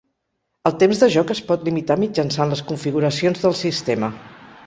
El temps de joc es pot limitar mitjançant les configuracions del sistema.